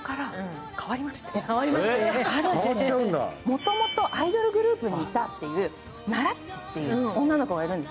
もともとアイドルグループにいた、奈良っちっていう女の子がいるんです。